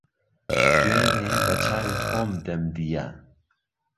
دوێنێ به چاوی خۆم دەمدييه